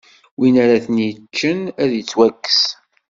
Win ara ten-iččen, ad ittwakkes.